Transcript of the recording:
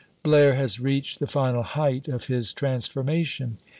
Blaire has reached the final height of his transformation.